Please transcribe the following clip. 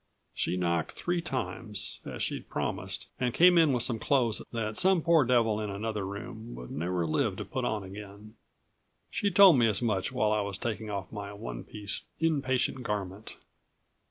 She knocked three times, as she'd promised and came in with some clothes that some poor devil in another room would never live to put on again. She told me as much while I was taking off my one piece in patient garment.